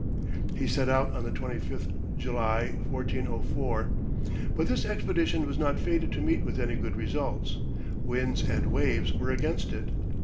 He set out on the 25th July, 1404, but this expedition was not fated to meet with any good results, winds and waves were against it.